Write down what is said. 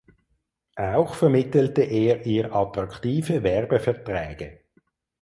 Auch vermittelte er ihr attraktive Werbeverträge.